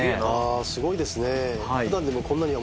すごいですね。